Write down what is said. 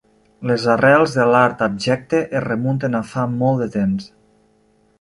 Les arrels de l'Art abjecte es remunten a fa molt de temps.